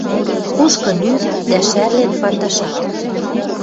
Кушкын ӱп, дӓ шӓрлен пандашат...